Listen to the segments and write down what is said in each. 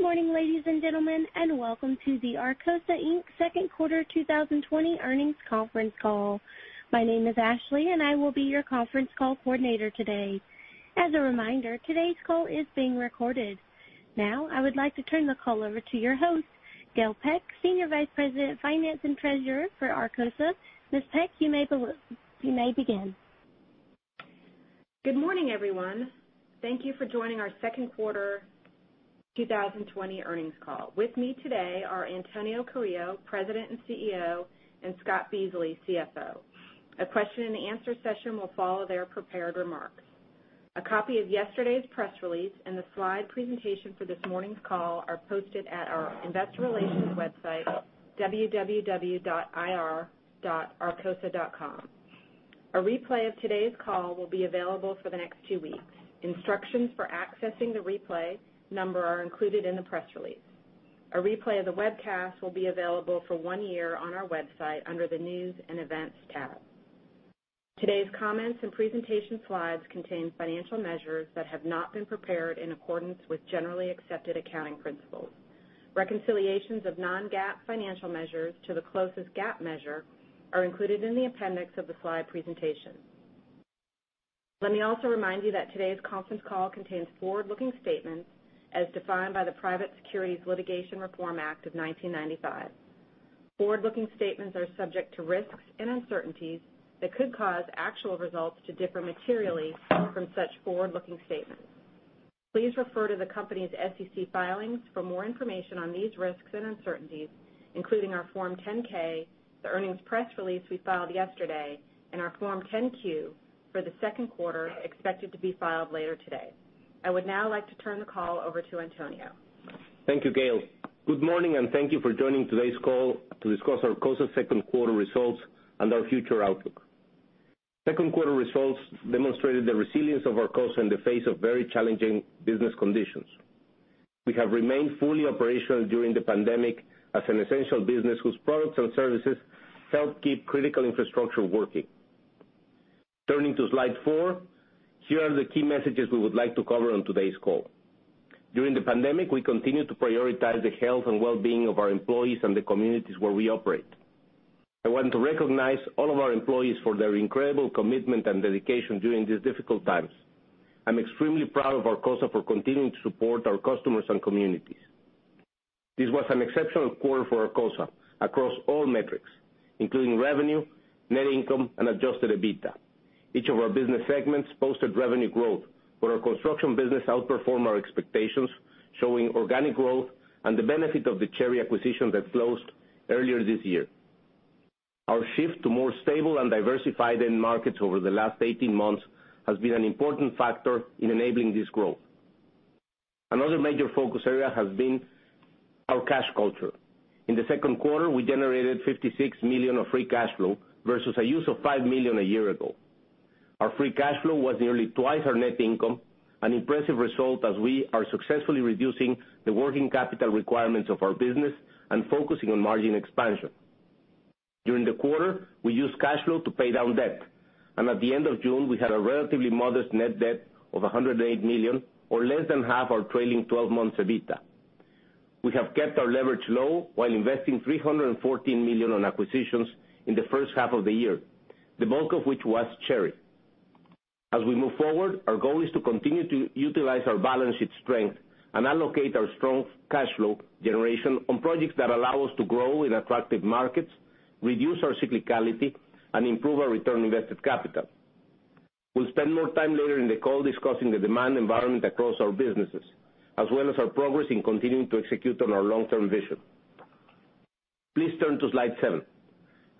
Good morning, ladies and gentlemen, and welcome to the Arcosa, Inc. second quarter 2020 earnings conference call. My name is Ashley, and I will be your conference call coordinator today. As a reminder, today's call is being recorded. Now, I would like to turn the call over to your host, Gail Peck, Senior Vice President, Finance and Treasurer for Arcosa. Ms. Peck, you may begin. Good morning, everyone. Thank you for joining our second quarter 2020 earnings call. With me today are Antonio Carrillo, President and CEO, and Scott Beasley, CFO. A question-and-answer session will follow their prepared remarks. A copy of yesterday's press release and the slide presentation for this morning's call are posted at our investor relations website, www.ir.arcosa.com. A replay of today's call will be available for the next two weeks. Instructions for accessing the replay number are included in the press release. A replay of the webcast will be available for one year on our website under the News & Events tab. Today's comments and presentation slides contain financial measures that have not been prepared in accordance with generally accepted accounting principles. Reconciliations of non-GAAP financial measures to the closest GAAP measure are included in the appendix of the slide presentation. Let me also remind you that today's conference call contains forward-looking statements as defined by the Private Securities Litigation Reform Act of 1995. Forward-looking statements are subject to risks and uncertainties that could cause actual results to differ materially from such forward-looking statements. Please refer to the company's SEC filings for more information on these risks and uncertainties, including our Form 10-K, the earnings press release we filed yesterday, and our Form 10-Q for the second quarter, expected to be filed later today. I would now like to turn the call over to Antonio. Thank you, Gail. Good morning, and thank you for joining today's call to discuss Arcosa's second quarter results and our future outlook. Second quarter results demonstrated the resilience of Arcosa in the face of very challenging business conditions. We have remained fully operational during the pandemic as an essential business whose products and services help keep critical infrastructure working. Turning to slide four, here are the key messages we would like to cover on today's call. During the pandemic, we continued to prioritize the health and well-being of our employees and the communities where we operate. I want to recognize all of our employees for their incredible commitment and dedication during these difficult times. I'm extremely proud of Arcosa for continuing to support our customers and communities. This was an exceptional quarter for Arcosa across all metrics, including revenue, net income, and Adjusted EBITDA. Each of our business segments posted revenue growth, with our construction business outperforming our expectations, showing organic growth and the benefit of the Cherry acquisition that closed earlier this year. Our shift to more stable and diversified end markets over the last 18 months has been an important factor in enabling this growth. Another major focus area has been our cash culture. In the second quarter, we generated $56 million of free cash flow versus a use of $5 million a year ago. Our free cash flow was nearly twice our net income, an impressive result as we are successfully reducing the working capital requirements of our business and focusing on margin expansion. During the quarter, we used cash flow to pay down debt, and at the end of June, we had a relatively modest net debt of $108 million or less than half our trailing 12 months EBITDA. We have kept our leverage low while investing $314 million on acquisitions in the first half of the year, the bulk of which was Cherry. As we move forward, our goal is to continue to utilize our balance sheet strength and allocate our strong cash flow generation on projects that allow us to grow in attractive markets, reduce our cyclicality, and improve our return on invested capital. We'll spend more time later in the call discussing the demand environment across our businesses, as well as our progress in continuing to execute on our long-term vision. Please turn to slide seven.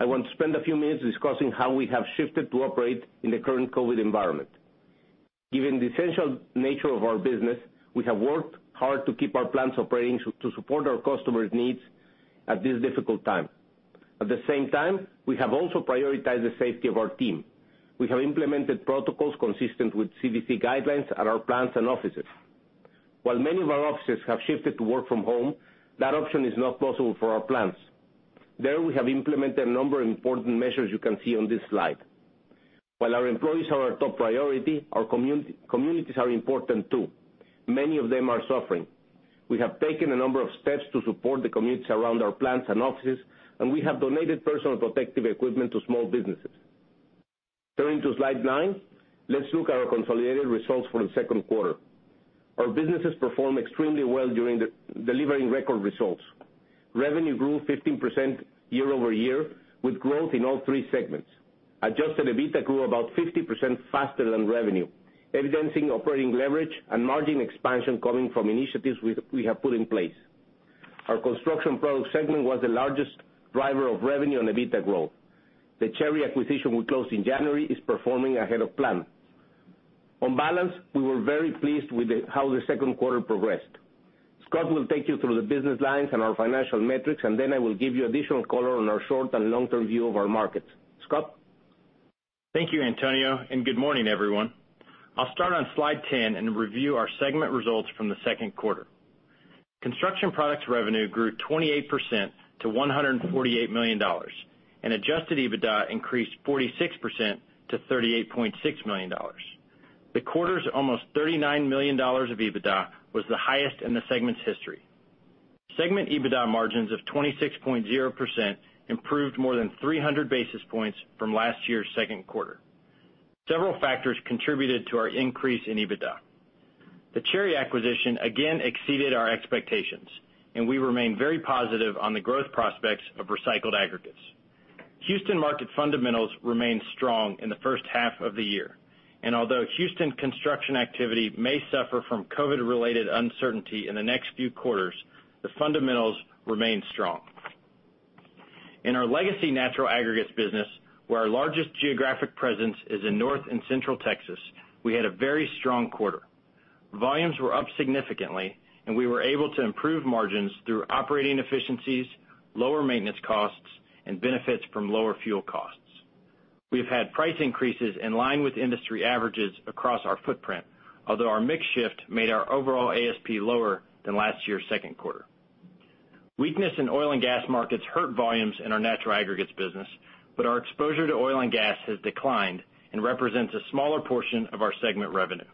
I want to spend a few minutes discussing how we have shifted to operate in the current COVID environment. Given the essential nature of our business, we have worked hard to keep our plants operating to support our customers' needs at this difficult time. At the same time, we have also prioritized the safety of our team. We have implemented protocols consistent with CDC guidelines at our plants and offices. While many of our offices have shifted to work from home, that option is not possible for our plants. There, we have implemented a number of important measures you can see on this slide. While our employees are our top priority, our communities are important too. Many of them are suffering. We have taken a number of steps to support the communities around our plants and offices, and we have donated personal protective equipment to small businesses. Turning to slide nine, let's look at our consolidated results for the second quarter. Our businesses performed extremely well, delivering record results. Revenue grew 15% year-over-year with growth in all three segments. Adjusted EBITDA grew about 50% faster than revenue, evidencing operating leverage and margin expansion coming from initiatives we have put in place. Our construction products segment was the largest driver of revenue and EBITDA growth. The Cherry acquisition we closed in January is performing ahead of plan. On balance, we were very pleased with how the second quarter progressed. Scott will take you through the business lines and our financial metrics, and then I will give you additional color on our short and long-term view of our markets. Scott? Thank you, Antonio, and good morning, everyone. I'll start on slide 10 and review our segment results from the second quarter. Construction products revenue grew 28% to $148 million, and Adjusted EBITDA increased 46% to $38.6 million. The quarter's almost $39 million of EBITDA was the highest in the segment's history. Segment EBITDA margins of 26.0% improved more than 300 basis points from last year's second quarter. Several factors contributed to our increase in EBITDA. The Cherry acquisition again exceeded our expectations, and we remain very positive on the growth prospects of recycled aggregates. Houston market fundamentals remained strong in the first half of the year, and although Houston construction activity may suffer from COVID-related uncertainty in the next few quarters, the fundamentals remain strong. In our legacy natural aggregates business, where our largest geographic presence is in North and Central Texas, we had a very strong quarter. Volumes were up significantly, and we were able to improve margins through operating efficiencies, lower maintenance costs, and benefits from lower fuel costs. We have had price increases in line with industry averages across our footprint, although our mix shift made our overall ASP lower than last year's second quarter. Weakness in oil and gas markets hurt volumes in our natural aggregates business, but our exposure to oil and gas has declined and represents a smaller portion of our segment revenue.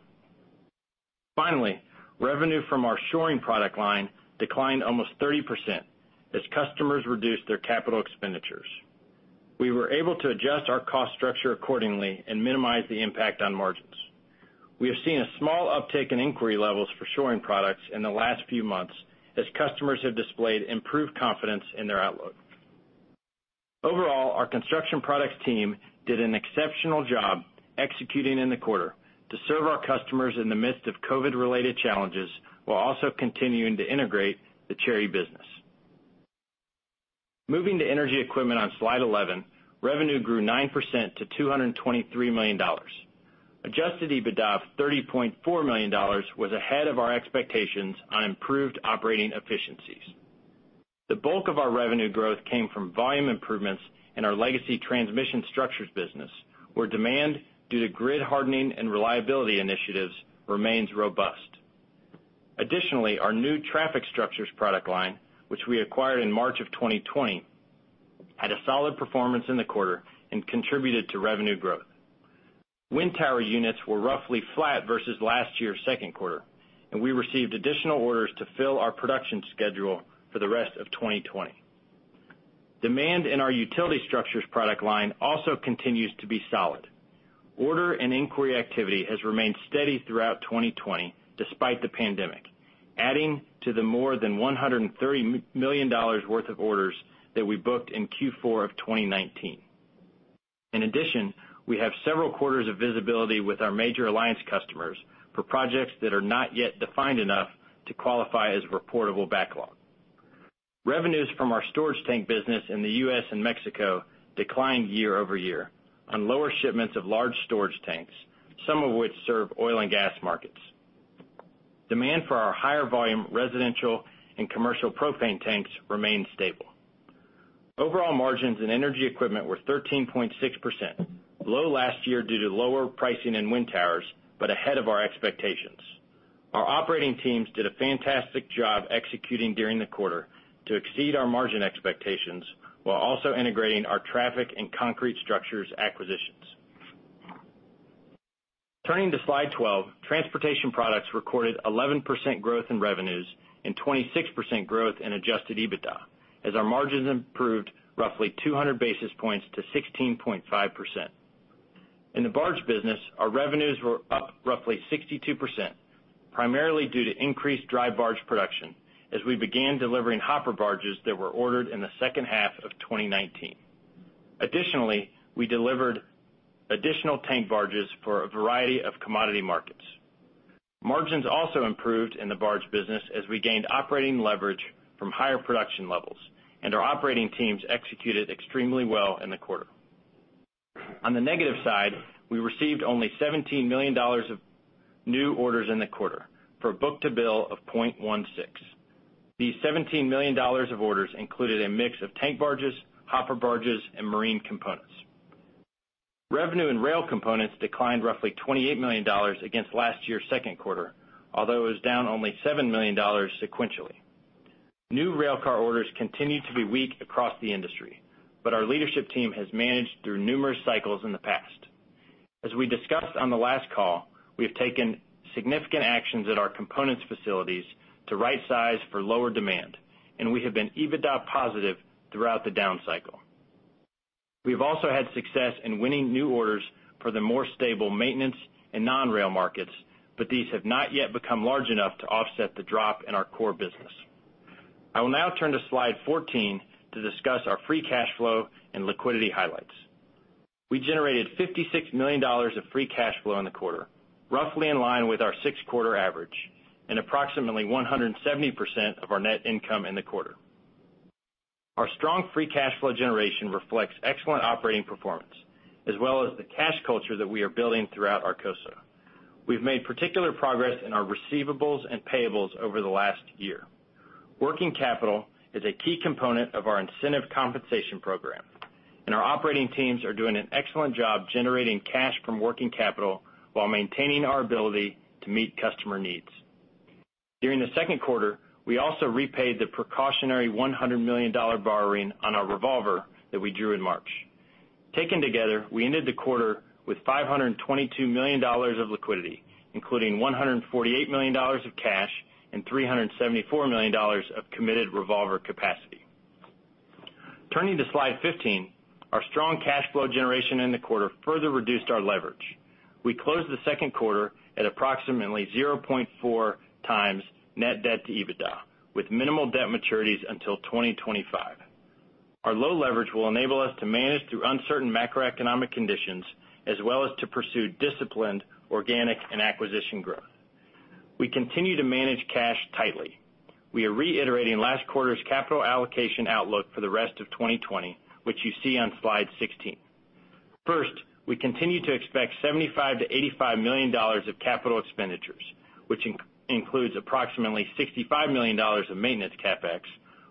Finally, revenue from our shoring product line declined almost 30% as customers reduced their capital expenditures. We were able to adjust our cost structure accordingly and minimize the impact on margins. We have seen a small uptick in inquiry levels for shoring products in the last few months as customers have displayed improved confidence in their outlook. Overall, our construction products team did an exceptional job executing in the quarter to serve our customers in the midst of COVID-related challenges, while also continuing to integrate the Cherry business. Moving to Energy Equipment on slide 11, revenue grew 9% to $223 million. Adjusted EBITDA of $30.4 million was ahead of our expectations on improved operating efficiencies. The bulk of our revenue growth came from volume improvements in our legacy transmission structures business, where demand due to grid hardening and reliability initiatives remains robust. Our new traffic structures product line, which we acquired in March of 2020, had a solid performance in the quarter and contributed to revenue growth. Wind tower units were roughly flat versus last year's second quarter. We received additional orders to fill our production schedule for the rest of 2020. Demand in our utility structures product line also continues to be solid. Order and inquiry activity has remained steady throughout 2020 despite the pandemic, adding to the more than $130 million worth of orders that we booked in Q4 of 2019. We have several quarters of visibility with our major alliance customers for projects that are not yet defined enough to qualify as reportable backlog. Revenues from our storage tank business in the U.S. and Mexico declined year-over-year on lower shipments of large storage tanks, some of which serve oil and gas markets. Demand for our higher volume residential and commercial propane tanks remained stable. Overall margins in energy equipment were 13.6%, below last year due to lower pricing in wind towers, but ahead of our expectations. Our operating teams did a fantastic job executing during the quarter to exceed our margin expectations while also integrating our traffic and concrete structures acquisitions. Turning to slide 12, Transportation Products recorded 11% growth in revenues and 26% growth in adjusted EBITDA as our margins improved roughly 200 basis points to 16.5%. In the barge business, our revenues were up roughly 62%, primarily due to increased dry barge production as we began delivering hopper barges that were ordered in the second half of 2019. Additionally, we delivered additional tank barges for a variety of commodity markets. Margins also improved in the barge business as we gained operating leverage from higher production levels, and our operating teams executed extremely well in the quarter. On the negative side, we received only $17 million of new orders in the quarter for book-to-bill of 0.16. These $17 million of orders included a mix of tank barges, hopper barges, and marine components. Revenue in rail components declined roughly $28 million against last year's second quarter, although it was down only $7 million sequentially. New railcar orders continue to be weak across the industry, but our leadership team has managed through numerous cycles in the past. As we discussed on the last call, we have taken significant actions at our components facilities to right size for lower demand, and we have been EBITDA positive throughout the down cycle. We have also had success in winning new orders for the more stable maintenance and non-rail markets, but these have not yet become large enough to offset the drop in our core business. I will now turn to slide 14 to discuss our free cash flow and liquidity highlights. We generated $56 million of free cash flow in the quarter, roughly in line with our six-quarter average and approximately 170% of our net income in the quarter. Our strong free cash flow generation reflects excellent operating performance as well as the cash culture that we are building throughout Arcosa. We've made particular progress in our receivables and payables over the last year. Working capital is a key component of our incentive compensation program, and our operating teams are doing an excellent job generating cash from working capital while maintaining our ability to meet customer needs. During the second quarter, we also repaid the precautionary $100 million borrowing on our revolver that we drew in March. Taken together, we ended the quarter with $522 million of liquidity, including $148 million of cash and $374 million of committed revolver capacity. Turning to slide 15, our strong cash flow generation in the quarter further reduced our leverage. We closed the second quarter at approximately 0.4x net debt to EBITDA, with minimal debt maturities until 2025. Our low leverage will enable us to manage through uncertain macroeconomic conditions, as well as to pursue disciplined organic and acquisition growth. We continue to manage cash tightly. We are reiterating last quarter's capital allocation outlook for the rest of 2020, which you see on slide 16. First, we continue to expect $75 million-$85 million of capital expenditures, which includes approximately $65 million of maintenance CapEx,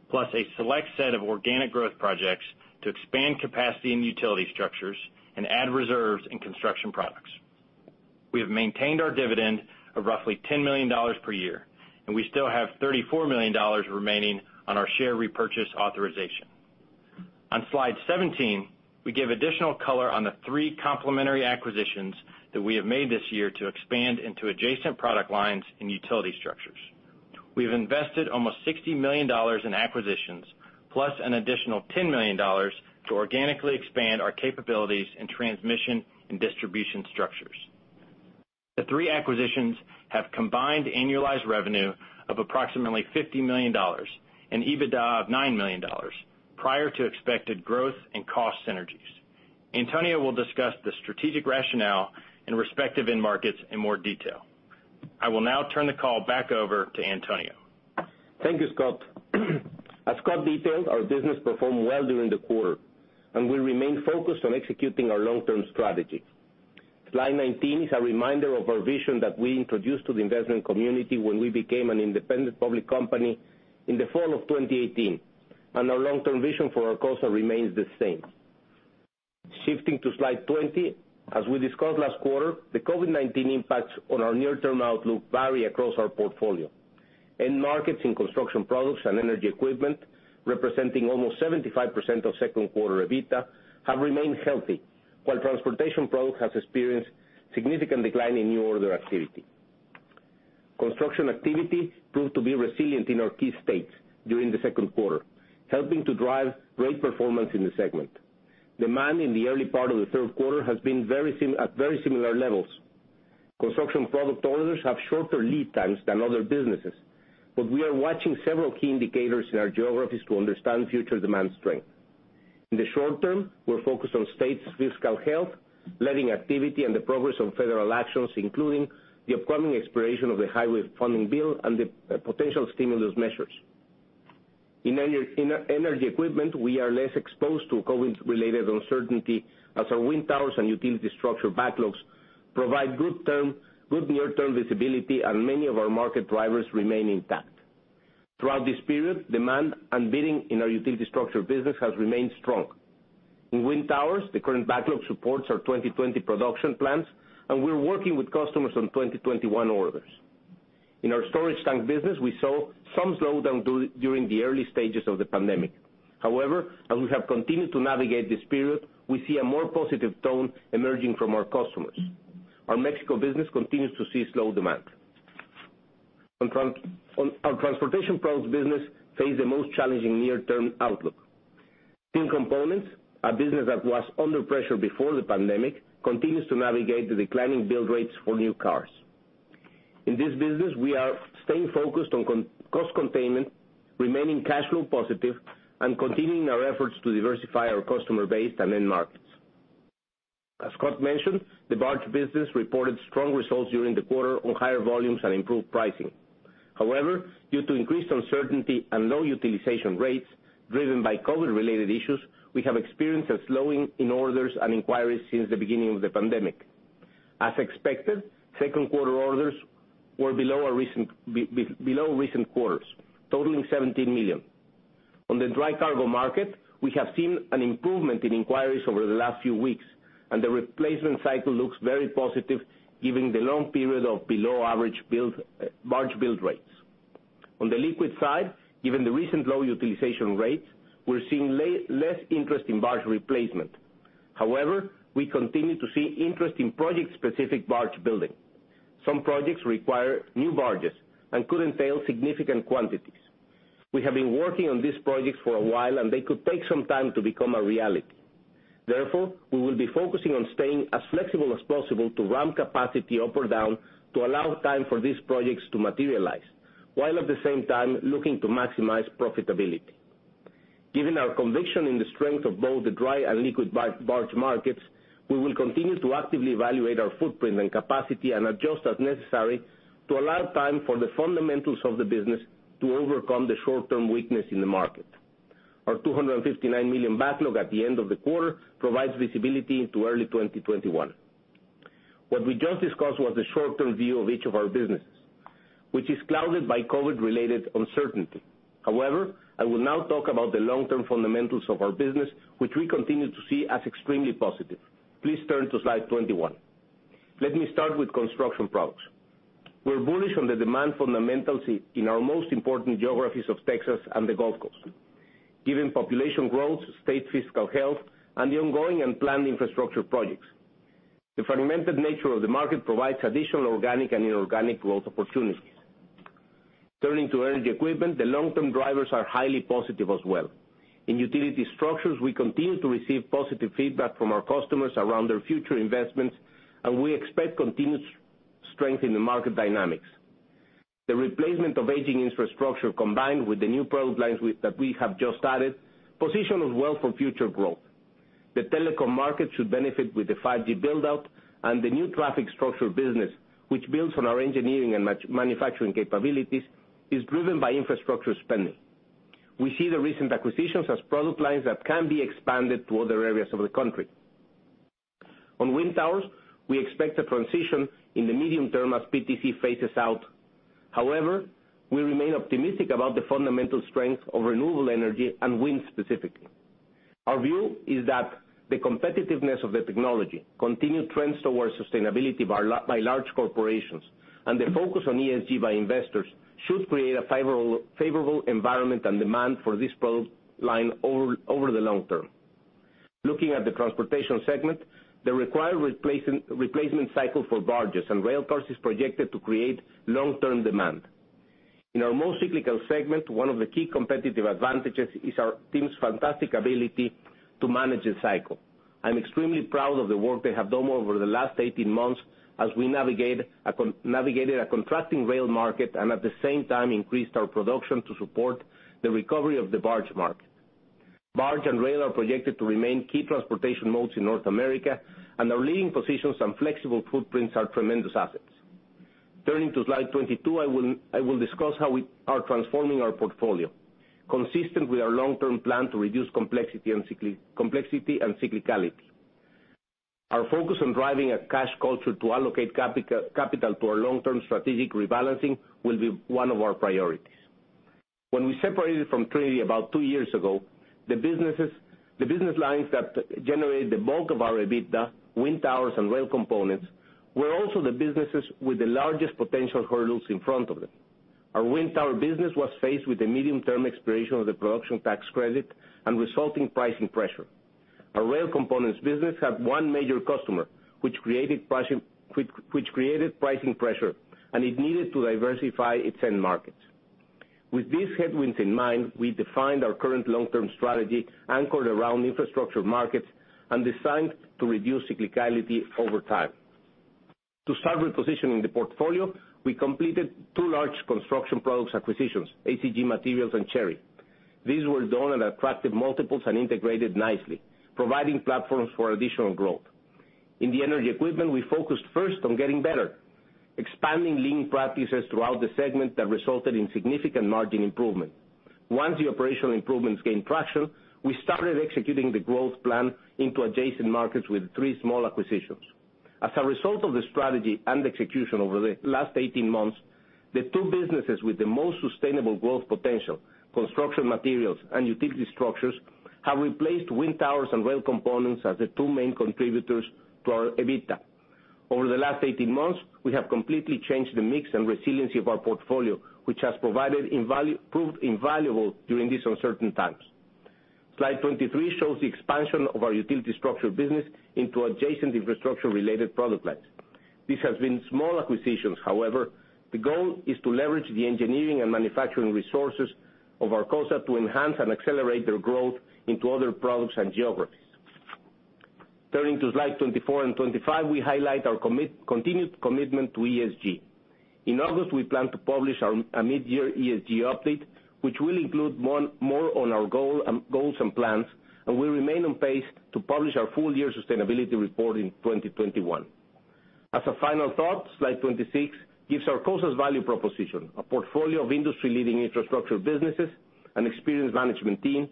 plus a select set of organic growth projects to expand capacity in utility structures and add reserves in construction products. We have maintained our dividend of roughly $10 million per year, and we still have $34 million remaining on our share repurchase authorization. On slide 17, we give additional color on the three complementary acquisitions that we have made this year to expand into adjacent product lines and utility structures. We've invested almost $60 million in acquisitions, plus an additional $10 million to organically expand our capabilities in transmission and distribution structures. The three acquisitions have combined annualized revenue of approximately $50 million and EBITDA of $9 million prior to expected growth and cost synergies. Antonio will discuss the strategic rationale and respective end markets in more detail. I will now turn the call back over to Antonio. Thank you, Scott. As Scott detailed, our business performed well during the quarter, and we remain focused on executing our long-term strategy. Slide 19 is a reminder of our vision that we introduced to the investment community when we became an independent public company in the fall of 2018. Our long-term vision for Arcosa remains the same. Shifting to Slide 20, as we discussed last quarter, the COVID-19 impacts on our near-term outlook vary across our portfolio. End markets in construction products and energy equipment, representing almost 75% of second quarter EBITDA, have remained healthy, while transportation products has experienced significant decline in new order activity. Construction activity proved to be resilient in our key states during the second quarter, helping to drive great performance in the segment. Demand in the early part of the third quarter has been at very similar levels. Construction product orders have shorter lead times than other businesses, but we are watching several key indicators in our geographies to understand future demand strength. In the short term, we're focused on states' fiscal health, letting activity and the progress on federal actions, including the upcoming expiration of the highway funding bill and the potential stimulus measures. In energy equipment, we are less exposed to COVID-related uncertainty, as our wind towers and utility structure backlogs provide good near-term visibility and many of our market drivers remain intact. Throughout this period, demand and bidding in our utility structure business has remained strong. In wind towers, the current backlog supports our 2020 production plans, and we're working with customers on 2021 orders. In our storage tank business, we saw some slowdown during the early stages of the pandemic. However, as we have continued to navigate this period, we see a more positive tone emerging from our customers. Our Mexico business continues to see slow demand. Our transportation products business face the most challenging near-term outlook. [In components], a business that was under pressure before the pandemic, continues to navigate the declining build rates for new cars. In this business, we are staying focused on cost containment, remaining cash flow positive, and continuing our efforts to diversify our customer base and end markets. As Scott mentioned, the barge business reported strong results during the quarter on higher volumes and improved pricing. However, due to increased uncertainty and low utilization rates driven by COVID-related issues, we have experienced a slowing in orders and inquiries since the beginning of the pandemic. As expected, second quarter orders were below recent quarters, totaling $17 million. On the dry cargo market, we have seen an improvement in inquiries over the last few weeks, and the replacement cycle looks very positive given the long period of below-average barge build rates. On the liquid side, given the recent low utilization rates, we're seeing less interest in barge replacement. However, we continue to see interest in project-specific barge building. Some projects require new barges and could entail significant quantities. We have been working on these projects for a while, and they could take some time to become a reality. Therefore, we will be focusing on staying as flexible as possible to ramp capacity up or down to allow time for these projects to materialize, while at the same time looking to maximize profitability. Given our conviction in the strength of both the dry and liquid barge markets, we will continue to actively evaluate our footprint and capacity and adjust as necessary to allow time for the fundamentals of the business to overcome the short-term weakness in the market. Our $259 million backlog at the end of the quarter provides visibility into early 2021. What we just discussed was the short-term view of each of our businesses, which is clouded by COVID-related uncertainty. I will now talk about the long-term fundamentals of our business, which we continue to see as extremely positive. Please turn to slide 21. Let me start with construction products. We're bullish on the demand fundamentals in our most important geographies of Texas and the Gulf Coast, given population growth, state fiscal health, and the ongoing and planned infrastructure projects. The fragmented nature of the market provides additional organic and inorganic growth opportunities. Turning to energy equipment, the long-term drivers are highly positive as well. In utility structures, we continue to receive positive feedback from our customers around their future investments, and we expect continued strength in the market dynamics. The replacement of aging infrastructure, combined with the new product lines that we have just added, positions us well for future growth. The telecom market should benefit with the 5G build-out, and the new traffic structure business, which builds on our engineering and manufacturing capabilities, is driven by infrastructure spending. We see the recent acquisitions as product lines that can be expanded to other areas of the country. On wind towers, we expect a transition in the medium term as PTC phases out. However, we remain optimistic about the fundamental strength of renewable energy and wind specifically. Our view is that the competitiveness of the technology, continued trends towards sustainability by large corporations, and the focus on ESG by investors should create a favorable environment and demand for this product line over the long term. Looking at the transportation segment, the required replacement cycle for barges and rail cars is projected to create long-term demand. In our most cyclical segment, one of the key competitive advantages is our team's fantastic ability to manage the cycle. I'm extremely proud of the work they have done over the last 18 months as we navigated a contracting rail market and at the same time increased our production to support the recovery of the barge market. Barge and rail are projected to remain key transportation modes in North America, and our leading positions and flexible footprints are tremendous assets. Turning to slide 22, I will discuss how we are transforming our portfolio. Consistent with our long-term plan to reduce complexity and cyclicality. Our focus on driving a cash culture to allocate capital to our long-term strategic rebalancing will be one of our priorities. When we separated from Trinity about two years ago, the business lines that generate the bulk of our EBITDA, wind towers and rail components, were also the businesses with the largest potential hurdles in front of them. Our wind tower business was faced with a medium-term expiration of the production tax credit and resulting pricing pressure. Our rail components business had one major customer, which created pricing pressure, and it needed to diversify its end markets. With these headwinds in mind, we defined our current long-term strategy anchored around infrastructure markets and designed to reduce cyclicality over time. To start repositioning the portfolio, we completed two large construction products acquisitions, ACG Materials and Cherry. These were done at attractive multiples and integrated nicely, providing platforms for additional growth. In the energy equipment, we focused first on getting better, expanding lean practices throughout the segment that resulted in significant margin improvement. Once the operational improvements gained traction, we started executing the growth plan into adjacent markets with three small acquisitions. As a result of the strategy and execution over the last 18 months, the two businesses with the most sustainable growth potential, construction materials and utility structures, have replaced wind towers and rail components as the two main contributors to our EBITDA. Over the last 18 months, we have completely changed the mix and resiliency of our portfolio, which has proved invaluable during these uncertain times. Slide 23 shows the expansion of our utility structure business into adjacent infrastructure-related product lines. This has been small acquisitions. However, the goal is to leverage the engineering and manufacturing resources of Arcosa to enhance and accelerate their growth into other products and geographies. Turning to slide 24, we highlight our continued commitment to ESG. In August, we plan to publish a mid-year ESG update, which will include more on our goals and plans, and we remain on pace to publish our full year sustainability report in 2021. As a final thought, slide 26 gives Arcosa's value proposition, a portfolio of industry-leading infrastructure businesses, an experienced management team,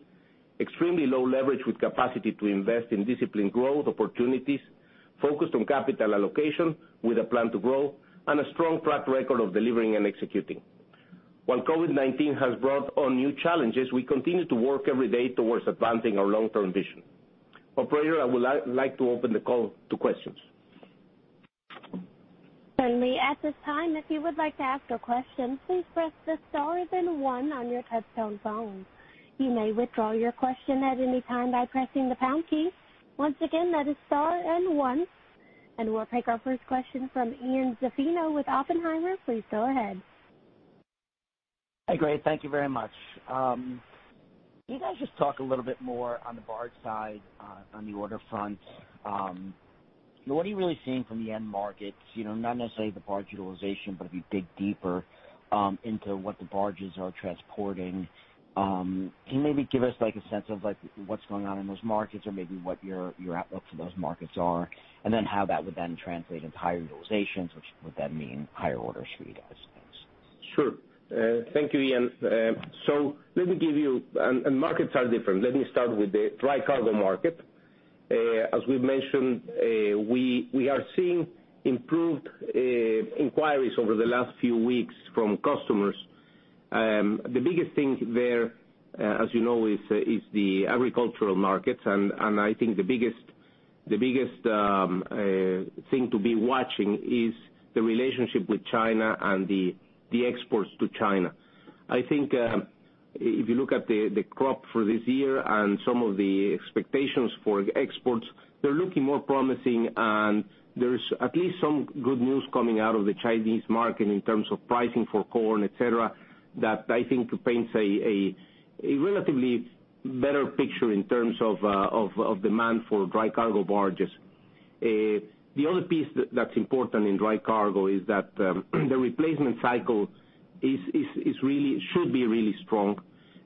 extremely low leverage with capacity to invest in disciplined growth opportunities, focused on capital allocation with a plan to grow, and a strong track record of delivering and executing. While COVID-19 has brought on new challenges, we continue to work every day towards advancing our long-term vision. Operator, I would like to open the call to questions. Certainly. At this time, if you would like to ask a question, please press the star, then one on your touchtone phone. You may withdraw your question at any time by pressing the pound key. Once again, that is star and one. We'll take our first question from Ian Zaffino with Oppenheimer. Please go ahead. Hi, great. Thank you very much. Can you guys just talk a little bit more on the barge side, on the order front? What are you really seeing from the end markets? Not necessarily the barge utilization, but if you dig deeper into what the barges are transporting, can you maybe give us a sense of what's going on in those markets or maybe what your outlook for those markets are, and then how that would then translate into higher utilizations, which would then mean higher orders for you guys? Thanks. Sure. Thank you, Ian. Markets are different. Let me start with the dry cargo market. As we've mentioned, we are seeing improved inquiries over the last few weeks from customers. The biggest thing there, as you know, is the agricultural markets, and I think the biggest thing to be watching is the relationship with China and the exports to China. I think, if you look at the crop for this year and some of the expectations for exports, they're looking more promising, and there's at least some good news coming out of the Chinese market in terms of pricing for corn, et cetera, that I think paints a relatively better picture in terms of demand for dry cargo barges. The other piece that's important in dry cargo is that the replacement cycle should be really strong.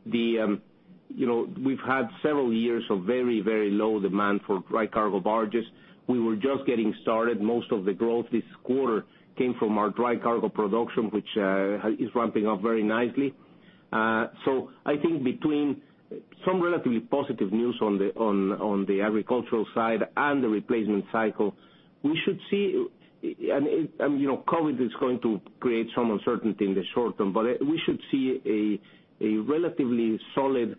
We've had several years of very, very low demand for dry cargo barges. We were just getting started. Most of the growth this quarter came from our dry cargo production, which is ramping up very nicely. I think between some relatively positive news on the agricultural side and the replacement cycle, COVID is going to create some uncertainty in the short term, but we should see a relatively solid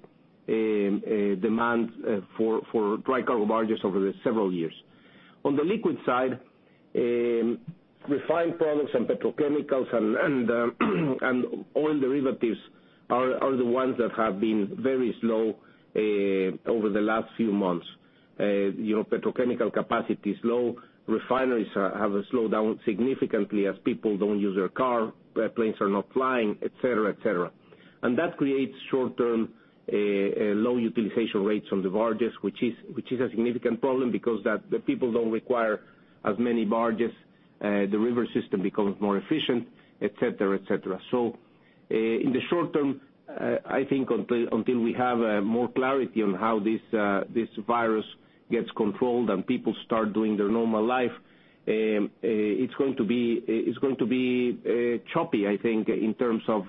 demand for dry cargo barges over the several years. On the liquid side, refined products and petrochemicals and oil derivatives are the ones that have been very slow over the last few months. Petrochemical capacity is low. Refineries have slowed down significantly as people don't use their car, airplanes are not flying, et cetera. That creates short-term, low utilization rates on the barges, which is a significant problem because the people don't require as many barges. The river system becomes more efficient, et cetera. In the short term, I think until we have more clarity on how this virus gets controlled and people start doing their normal life, it's going to be choppy, I think, in terms of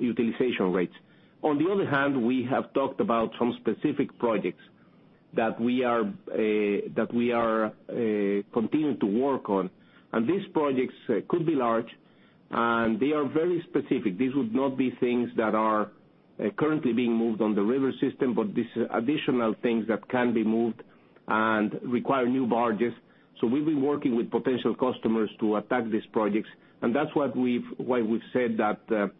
utilization rates. On the other hand, we have talked about some specific projects that we are continuing to work on, and these projects could be large, and they are very specific. These would not be things that are currently being moved on the river system, but these are additional things that can be moved and require new barges. We've been working with potential customers to attack these projects, and that's why we've said that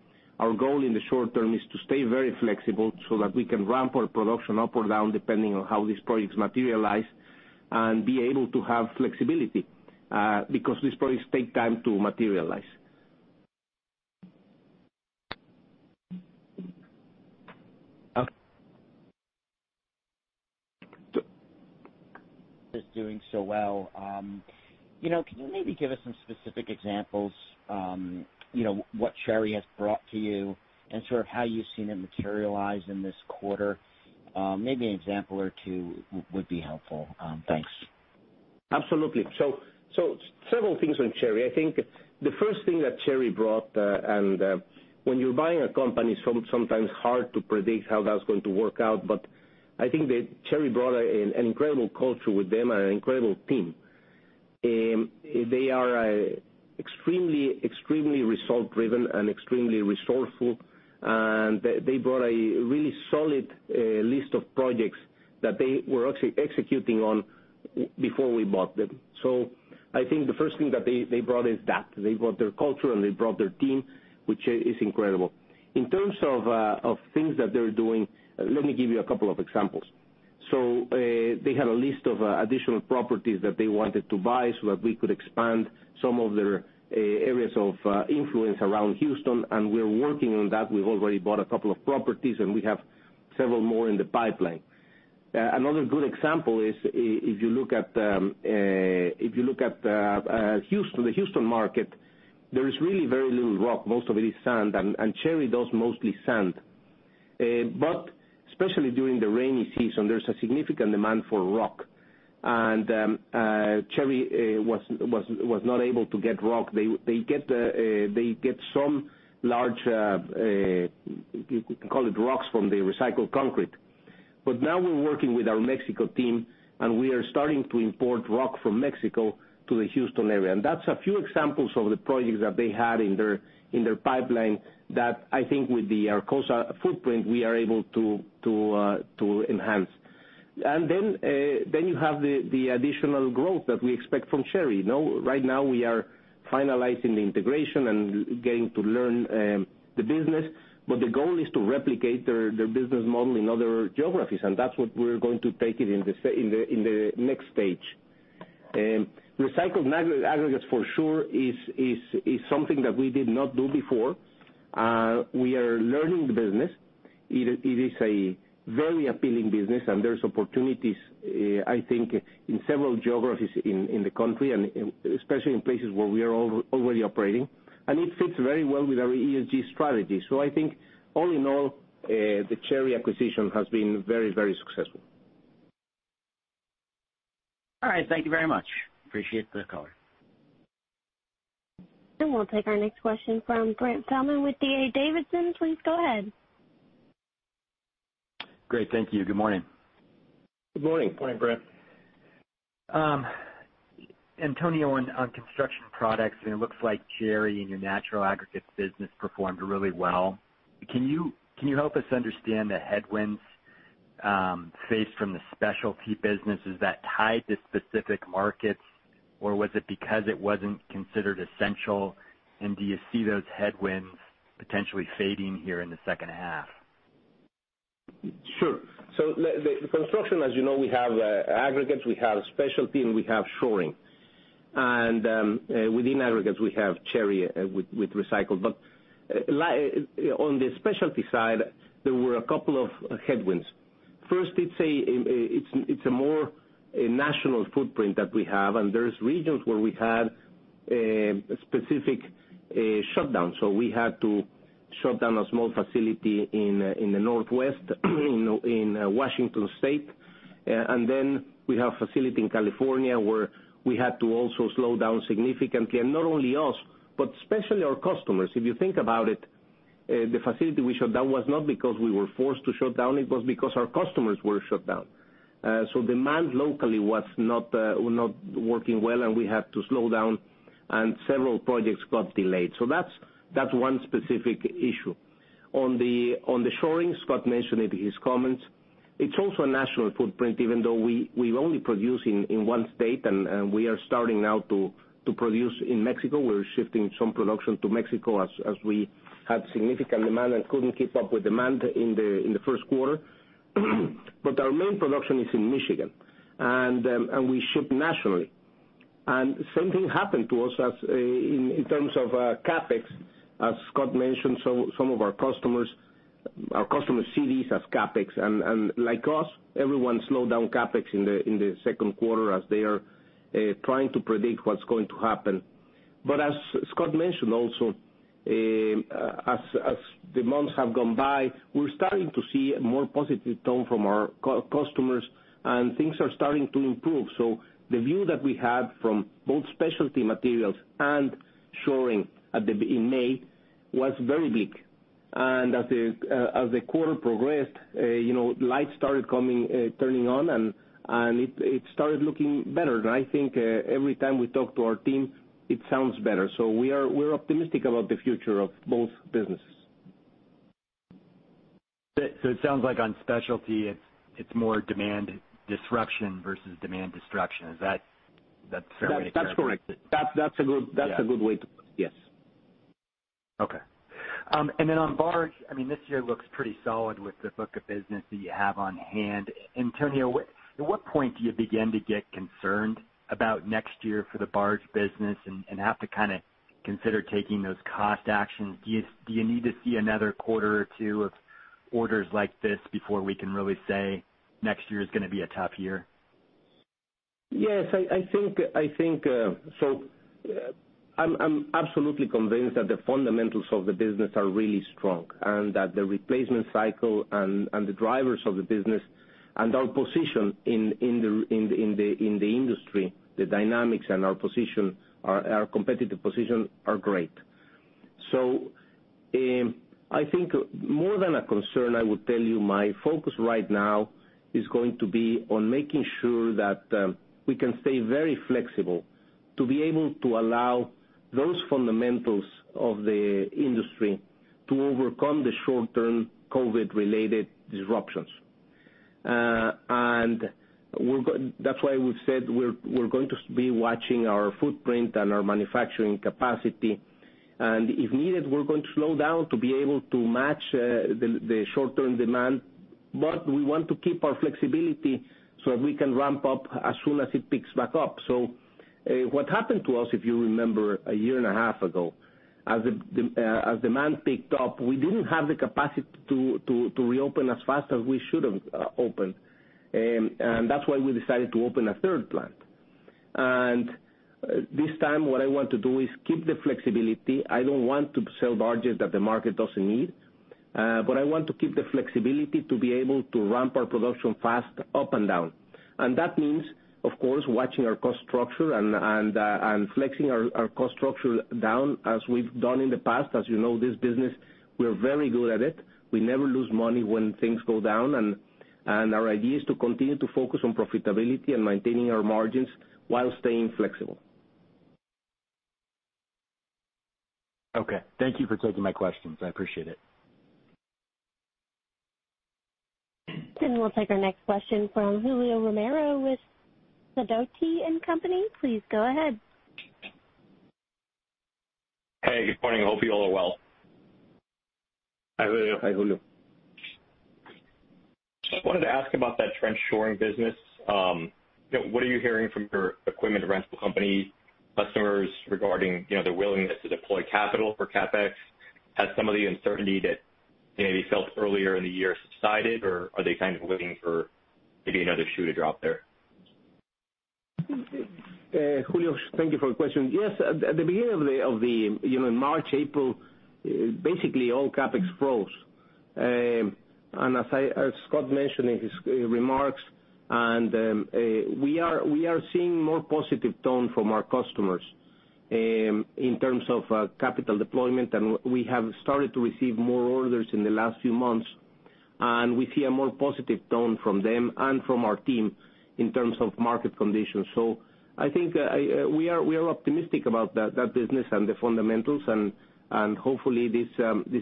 our goal in the short term is to stay very flexible so that we can ramp our production up or down depending on how these projects materialize and be able to have flexibility, because these projects take time to materialize. Is doing so well. Can you maybe give us some specific examples, what Cherry has brought to you and sort of how you've seen it materialize in this quarter? Maybe an example or two would be helpful. Thanks. Absolutely. Several things on Cherry. I think the first thing that Cherry brought, and when you're buying a company, it's sometimes hard to predict how that's going to work out. I think that Cherry brought an incredible culture with them and an incredible team. They are extremely result driven and extremely resourceful, and they brought a really solid list of projects that they were actually executing on before we bought them. I think the first thing that they brought is that. They brought their culture and they brought their team, which is incredible. In terms of things that they're doing, let me give you a couple of examples. They had a list of additional properties that they wanted to buy so that we could expand some of their areas of influence around Houston, and we're working on that. We've already bought a couple of properties, and we have several more in the pipeline. Another good example is if you look at the Houston market, there is really very little rock. Most of it is sand, and Cherry does mostly sand. Especially during the rainy season, there's a significant demand for rock. Cherry was not able to get rock. They get some large, we can call it rocks from the recycled concrete. Now we're working with our Mexico team, and we are starting to import rock from Mexico to the Houston area. That's a few examples of the projects that they had in their pipeline that I think with the Arcosa footprint, we are able to enhance. You have the additional growth that we expect from Cherry. Right now, we are finalizing the integration and getting to learn the business. The goal is to replicate their business model in other geographies, and that's what we're going to take it in the next stage. Recycled aggregates for sure is something that we did not do before. We are learning the business. It is a very appealing business, and there's opportunities, I think, in several geographies in the country, and especially in places where we are already operating, and it fits very well with our ESG strategy. I think all in all, the Cherry acquisition has been very successful. All right, thank you very much. Appreciate the call. We'll take our next question from Brent Thielman with D.A. Davidson. Please go ahead. Great, thank you. Good morning. Good morning. Good morning, Brent. Antonio, on construction products, it looks like Cherry and your natural aggregates business performed really well. Can you help us understand the headwinds faced from the specialty businesses that tied to specific markets? Was it because it wasn't considered essential? Do you see those headwinds potentially fading here in the second half? Sure. Construction, as you know, we have aggregates, we have specialty, and we have shoring. Within aggregates, we have Cherry with recycled. On the specialty side, there were a couple of headwinds. First, it's a more national footprint that we have, and there's regions where we had a specific shutdown. We had to shut down a small facility in the Northwest in Washington State. We have a facility in California where we had to also slow down significantly. Not only us, but especially our customers. If you think about it, the facility we shut down was not because we were forced to shut down. It was because our customers were shut down. Demand locally was not working well and we had to slow down, and several projects got delayed. That's one specific issue. On the shoring, Scott mentioned it in his comments. It's also a national footprint, even though we only produce in one state and we are starting now to produce in Mexico. We're shifting some production to Mexico as we had significant demand and couldn't keep up with demand in the first quarter. Our main production is in Michigan, and we ship nationally. Same thing happened to us as in terms of CapEx, as Scott mentioned. Some of our customers see this as CapEx. Like us, everyone slowed down CapEx in the second quarter as they are trying to predict what's going to happen. As Scott mentioned also, as the months have gone by, we're starting to see a more positive tone from our customers and things are starting to improve. The view that we had from both specialty materials and shoring in May was very bleak. As the quarter progressed, lights started turning on, and it started looking better. I think every time we talk to our team, it sounds better. We're optimistic about the future of both businesses. It sounds like on specialty, it's more demand disruption versus demand destruction. Is that a fair way to characterize it? That's correct. That's a good way to put it. Yes. Okay. On barge, this year looks pretty solid with the book of business that you have on hand. Antonio, at what point do you begin to get concerned about next year for the barge business and have to kind of consider taking those cost actions? Do you need to see another quarter or two of orders like this before we can really say next year is gonna be a tough year? Yes. I'm absolutely convinced that the fundamentals of the business are really strong, and that the replacement cycle and the drivers of the business and our position in the industry, the dynamics and our competitive position are great. I think more than a concern, I would tell you my focus right now is going to be on making sure that we can stay very flexible to be able to allow those fundamentals of the industry to overcome the short-term COVID-related disruptions. That's why we've said we're going to be watching our footprint and our manufacturing capacity. If needed, we're going to slow down to be able to match the short-term demand. We want to keep our flexibility so that we can ramp up as soon as it picks back up. What happened to us, if you remember a year and a half ago, as demand picked up, we didn't have the capacity to reopen as fast as we should have opened. That's why we decided to open a third plant. This time, what I want to do is keep the flexibility. I don't want to sell barges that the market doesn't need. I want to keep the flexibility to be able to ramp our production fast, up and down. That means, of course, watching our cost structure and flexing our cost structure down as we've done in the past. As you know, this business, we are very good at it. We never lose money when things go down, and our idea is to continue to focus on profitability and maintaining our margins while staying flexible. Okay. Thank you for taking my questions. I appreciate it. We'll take our next question from Julio Romero with Sidoti & Company. Please go ahead. Hey, good morning. Hope you all are well. Hi, Julio. Just wanted to ask about that trench shoring business. What are you hearing from your equipment rental company customers regarding their willingness to deploy capital for CapEx? Has some of the uncertainty that maybe felt earlier in the year subsided, or are they kind of waiting for maybe another shoe to drop there? Julio, thank you for your question. Yes, at the beginning of March, April, basically all CapEx froze. As Scott mentioned in his remarks, we are seeing more positive tone from our customers in terms of capital deployment, and we have started to receive more orders in the last few months. We see a more positive tone from them and from our team in terms of market conditions. I think we are optimistic about that business and the fundamentals, and hopefully this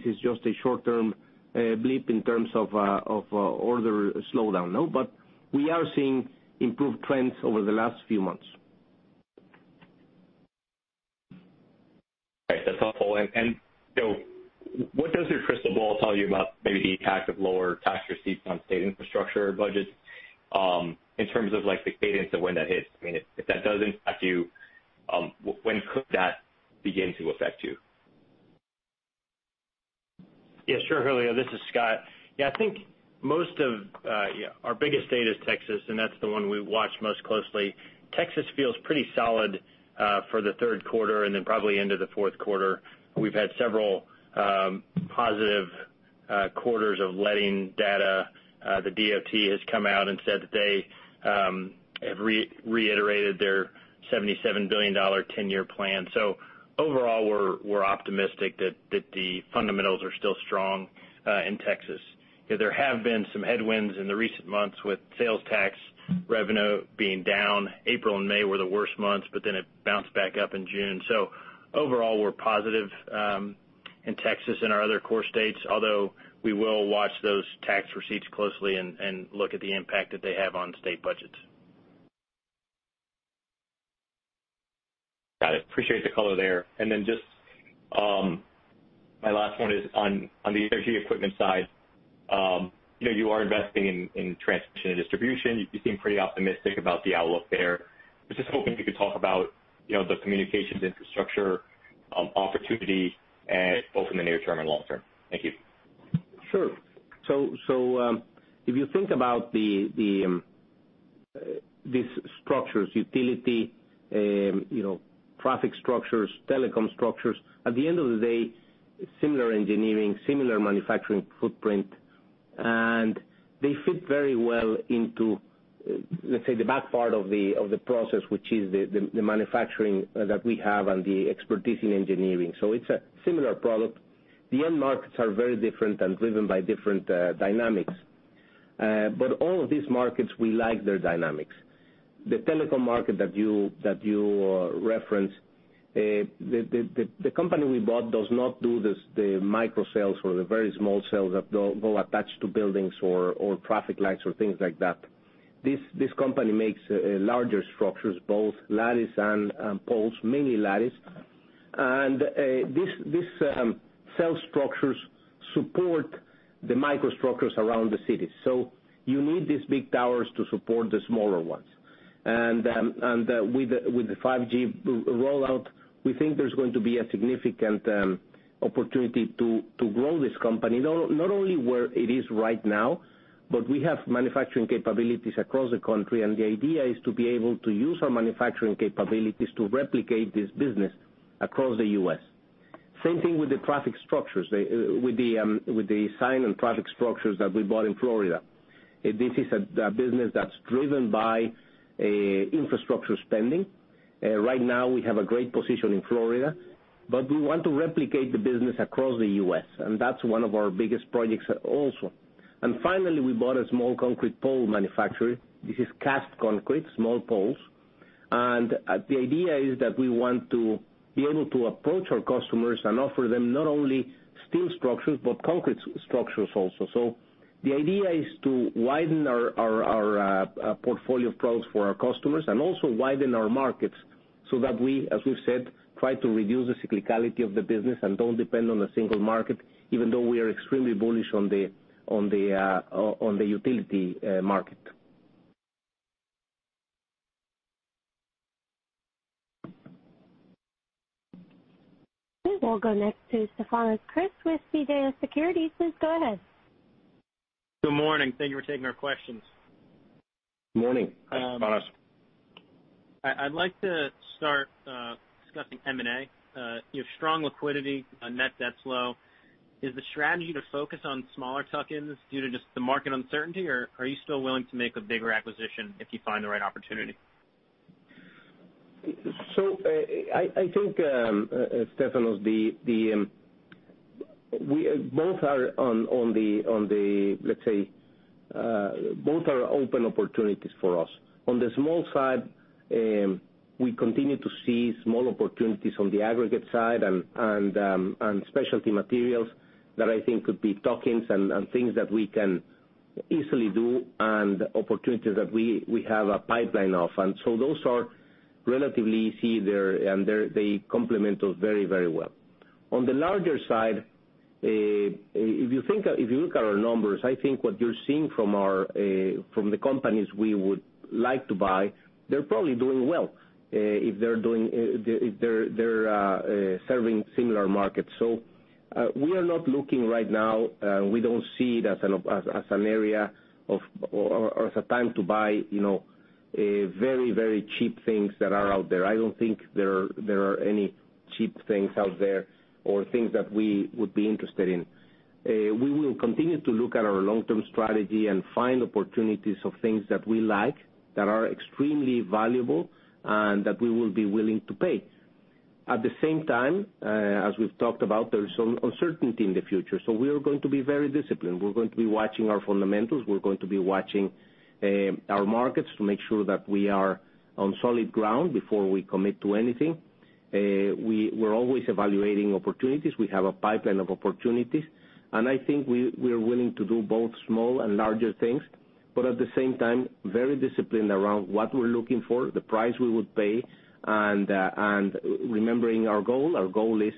is just a short-term blip in terms of order slowdown. We are seeing improved trends over the last few months. Right. That's helpful. What does your crystal ball tell you about maybe the impact of lower tax receipts on state infrastructure budgets in terms of the cadence of when that hits? If that does impact you, when could that begin to affect you? Julio, this is Scott. Our biggest state is Texas, and that's the one we watch most closely. Texas feels pretty solid for the third quarter and then probably into the fourth quarter. We've had several positive quarters of letting data. The DOT has come out and said that they have reiterated their $77 billion 10-year plan. Overall, we're optimistic that the fundamentals are still strong in Texas. There have been some headwinds in the recent months with sales tax revenue being down. April and May were the worst months, but then it bounced back up in June. Overall, we're positive in Texas and our other core states, although we will watch those tax receipts closely and look at the impact that they have on state budgets. Got it. Appreciate the color there. Just my last one is on the energy equipment side. You are investing in transmission and distribution. You seem pretty optimistic about the outlook there. I was just hoping you could talk about the communications infrastructure opportunity, both in the near term and long term. Thank you. Sure. If you think about these structures, utility, traffic structures, telecom structures. At the end of the day, similar engineering, similar manufacturing footprint, and they fit very well into, let's say, the back part of the process, which is the manufacturing that we have and the expertise in engineering. It's a similar product. The end markets are very different and driven by different dynamics. All of these markets, we like their dynamics. The telecom market that you referenced, the company we bought does not do the micro cells or the very small cells that go attached to buildings or traffic lights or things like that. This company makes larger structures, both lattice and poles, mainly lattice. These cell structures support the microstructures around the cities. You need these big towers to support the smaller ones. With the 5G rollout, we think there's going to be a significant opportunity to grow this company, not only where it is right now, but we have manufacturing capabilities across the country, and the idea is to be able to use our manufacturing capabilities to replicate this business across the U.S. Same thing with the traffic structures, with the sign and traffic structures that we bought in Florida. This is a business that's driven by infrastructure spending. Right now we have a great position in Florida, but we want to replicate the business across the U.S., and that's one of our biggest projects also. Finally, we bought a small concrete pole manufacturer. This is cast concrete, small poles. The idea is that we want to be able to approach our customers and offer them not only steel structures, but concrete structures also. The idea is to widen our portfolio of products for our customers and also widen our markets so that we, as we've said, try to reduce the cyclicality of the business and don't depend on a single market, even though we are extremely bullish on the utility market. Okay. We'll go next to Stefanos Crist with CJS Securities. Please go ahead. Good morning. Thank you for taking our questions. Good morning. I'd like to start discussing M&A. You have strong liquidity, net debt's low. Is the strategy to focus on smaller tuck-ins due to just the market uncertainty, or are you still willing to make a bigger acquisition if you find the right opportunity? I think, Stefanos Crist, both are open opportunities for us. On the small side, we continue to see small opportunities on the aggregate side and specialty materials that I think could be tuck-ins and things that we can easily do and opportunities that we have a pipeline of. Those are relatively easy, and they complement us very well. On the larger side, if you look at our numbers, I think what you're seeing from the companies we would like to buy, they're probably doing well if they're serving similar markets. We are not looking right now. We don't see it as an area or as a time to buy very, very cheap things that are out there. I don't think there are any cheap things out there or things that we would be interested in. We will continue to look at our long-term strategy and find opportunities of things that we like, that are extremely valuable, and that we will be willing to pay. At the same time, as we've talked about, there is some uncertainty in the future. We are going to be very disciplined. We're going to be watching our fundamentals. We're going to be watching our markets to make sure that we are on solid ground before we commit to anything. We're always evaluating opportunities. We have a pipeline of opportunities. I think we are willing to do both small and larger things. At the same time, very disciplined around what we're looking for, the price we would pay, and remembering our goal. Our goal is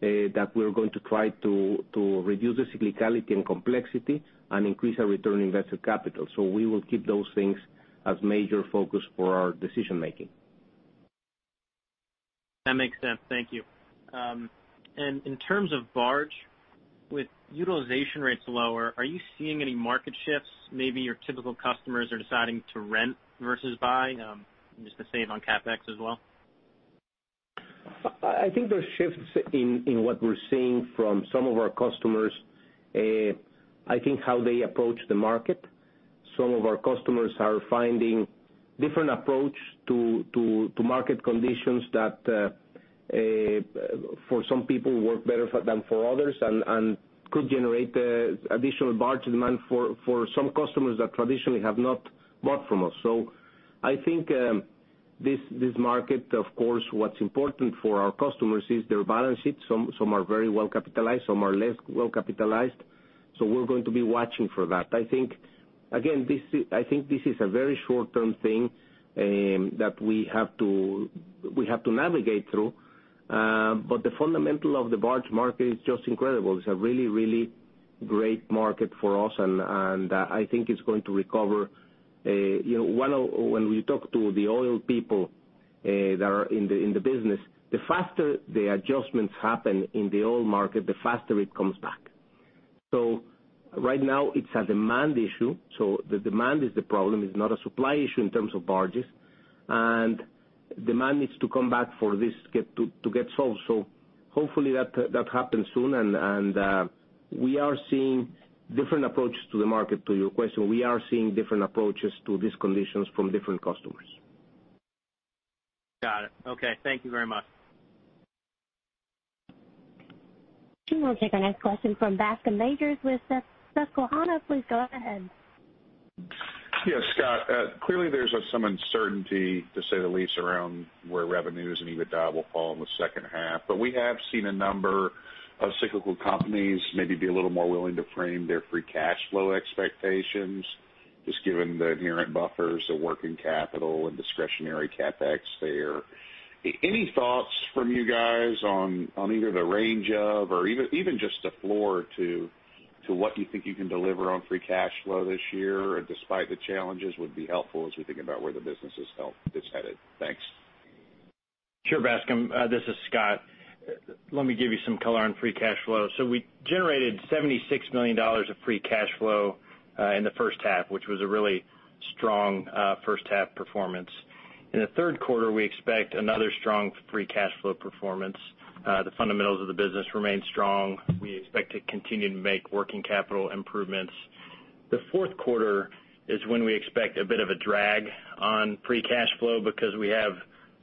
that we're going to try to reduce the cyclicality and complexity and increase our return on invested capital. We will keep those things as major focus for our decision making. That makes sense. Thank you. In terms of barge, with utilization rates lower, are you seeing any market shifts? Maybe your typical customers are deciding to rent versus buy, just to save on CapEx as well? I think there's shifts in what we're seeing from some of our customers, I think how they approach the market. Some of our customers are finding different approach to market conditions that for some people work better than for others and could generate additional barge demand for some customers that traditionally have not bought from us. I think this market, of course, what's important for our customers is their balance sheet. Some are very well capitalized, some are less well capitalized. We're going to be watching for that. Again, I think this is a very short-term thing that we have to navigate through. The fundamental of the barge market is just incredible. It's a really, really great market for us, and I think it's going to recover. When we talk to the oil people that are in the business, the faster the adjustments happen in the oil market, the faster it comes back. Right now it's a demand issue. The demand is the problem. It's not a supply issue in terms of barges. Demand needs to come back for this to get solved. Hopefully that happens soon. We are seeing different approaches to the market. To your question, we are seeing different approaches to these conditions from different customers. Got it. Okay. Thank you very much. We'll take our next question from Bascome Majors with Susquehanna. Please go ahead. Yeah, Scott. Clearly there's some uncertainty, to say the least, around where revenues and EBITDA will fall in the second half. We have seen a number of cyclical companies maybe be a little more willing to frame their free cash flow expectations, just given the inherent buffers of working capital and discretionary CapEx there. Any thoughts from you guys on either the range of, or even just a floor to what you think you can deliver on free cash flow this year despite the challenges, would be helpful as we think about where the business is headed. Thanks. Sure, Bascome. This is Scott. Let me give you some color on free cash flow. We generated $76 million of free cash flow in the first half, which was a really strong first half performance. In the third quarter, we expect another strong free cash flow performance. The fundamentals of the business remain strong. We expect to continue to make working capital improvements. The fourth quarter is when we expect a bit of a drag on free cash flow because we have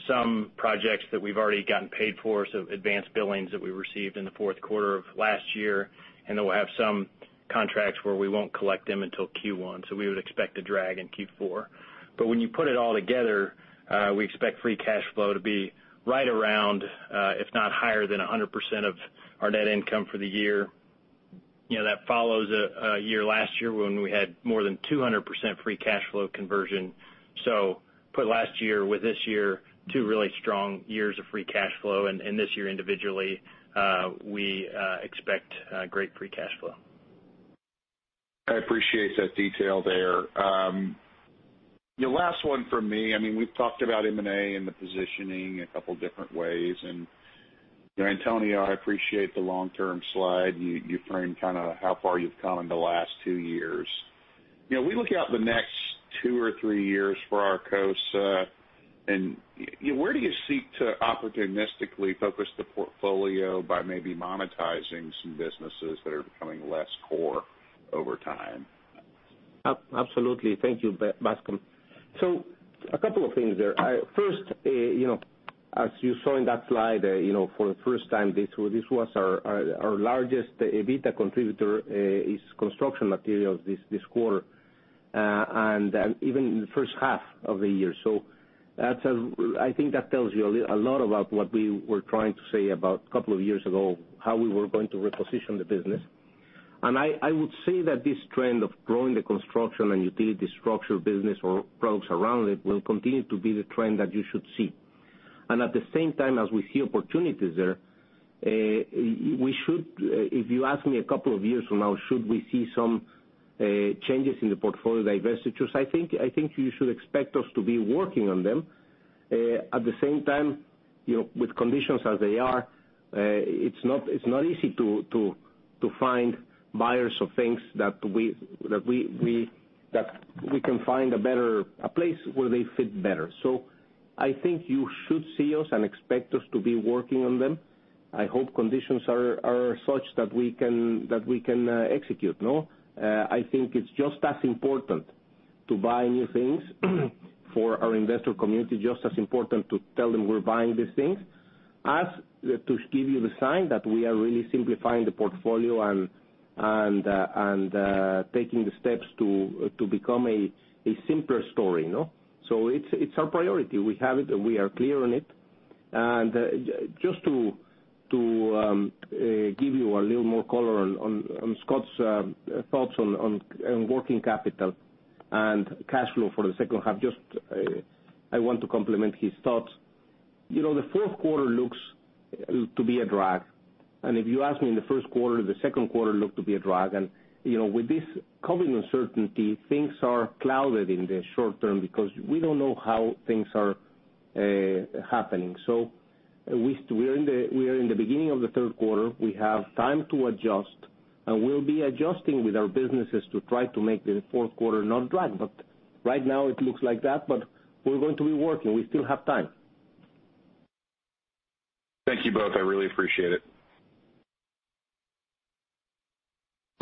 some projects that we've already gotten paid for, so advanced billings that we received in the fourth quarter of last year, and then we'll have some contracts where we won't collect them until Q1. We would expect a drag in Q4. When you put it all together, we expect free cash flow to be right around, if not higher than 100% of our net income for the year. That follows a year last year when we had more than 200% free cash flow conversion. Put last year with this year, two really strong years of free cash flow. This year individually, we expect great free cash flow. I appreciate that detail there. The last one from me. We've talked about M&A and the positioning a couple different ways. Antonio, I appreciate the long-term slide. You framed how far you've come in the last two years. We look out the next two or three years for Arcosa, where do you seek to opportunistically focus the portfolio by maybe monetizing some businesses that are becoming less core over time? Absolutely. Thank you, Bascome. A couple of things there. First, as you saw in that slide, for the first time, this was our largest EBITDA contributor is construction materials this quarter, and even in the first half of the year. I think that tells you a lot about what we were trying to say about a couple of years ago, how we were going to reposition the business. I would say that this trend of growing the construction and utility structure business or products around it will continue to be the trend that you should see. At the same time, as we see opportunities there, if you ask me a couple of years from now, should we see some changes in the portfolio diversity? I think you should expect us to be working on them. At the same time, with conditions as they are, it's not easy to find buyers of things that we can find a place where they fit better. I think you should see us and expect us to be working on them. I hope conditions are such that we can execute. I think it's just as important to buy new things for our investor community, just as important to tell them we're buying these things, as to give you the sign that we are really simplifying the portfolio and taking the steps to become a simpler story. It's our priority. We have it, and we are clear on it. Just to give you a little more color on Scott's thoughts on working capital and cash flow for the second half, I want to complement his thoughts. The fourth quarter looks to be a drag. If you ask me, in the first quarter, the second quarter looked to be a drag. With this COVID uncertainty, things are clouded in the short term because we don't know how things are happening. We are in the beginning of the third quarter. We have time to adjust, and we'll be adjusting with our businesses to try to make the fourth quarter not drag. Right now it looks like that, but we're going to be working. We still have time. Thank you both. I really appreciate it.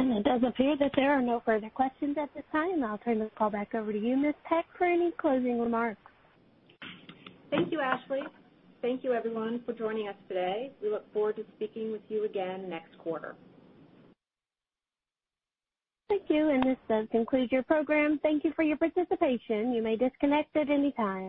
It does appear that there are no further questions at this time. I'll turn the call back over to you, Ms. Peck, for any closing remarks. Thank you, Ashley. Thank you, everyone, for joining us today. We look forward to speaking with you again next quarter. Thank you, and this does conclude your program. Thank you for your participation. You may disconnect at any time.